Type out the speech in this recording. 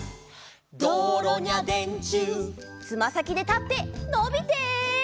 「どうろにゃでんちゅう」「つまさきで立ってのびて」